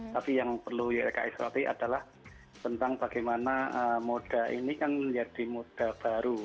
tapi yang perlu ylki soroti adalah tentang bagaimana moda ini kan menjadi modal baru